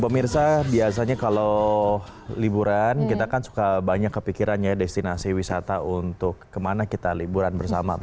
pemirsa biasanya kalau liburan kita kan suka banyak kepikiran ya destinasi wisata untuk kemana kita liburan bersama